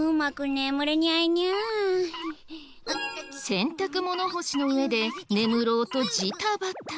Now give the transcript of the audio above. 洗濯物干しの上で眠ろうとジタバタ。